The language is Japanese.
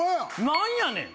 何やねん？